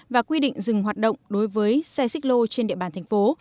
và quy định dừng hoạt động đối với xe xích lô trên địa bàn thành phố